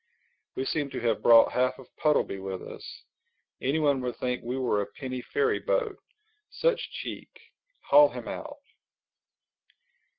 We seem to have brought half of Puddleby with us. Anyone would think we were a penny ferry boat. Such cheek! Haul him out."